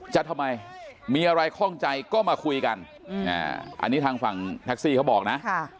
ทำไมมีอะไรคล่องใจก็มาคุยกันอันนี้ทางฝั่งแท็กซี่เขาบอกนะ